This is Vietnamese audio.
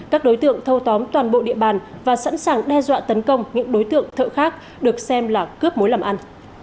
các đối tượng thâu tóm toàn bộ địa bàn và sẵn sàng đe dọa tấn công những đối tượng thợ khác được xem là cướp mối làm ăn